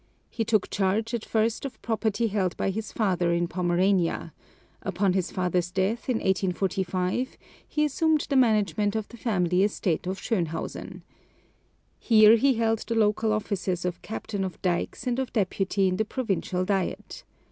He took charge at first of property held by his father in Pomerania; upon his father's death in 1845 he assumed the management of the family estate of Schönhausen. Here he held the local offices of captain of dikes and of deputy in the provincial Diet.